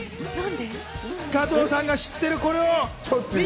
加藤さんが知ってる、これみ